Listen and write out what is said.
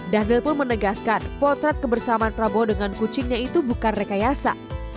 dhanil pun menegaskan potret kebersamaan prabowo dengan kucingnya itu bukan rekayasa